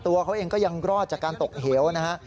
ตัวเขาเองก็ยังรอดจากการตกเหวนะฮะ